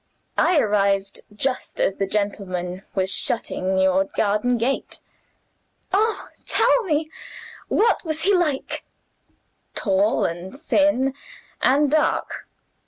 I arrived just as the gentleman was shutting your garden gate." "Oh, tell me! what was he like?" "Tall, and thin, and dark.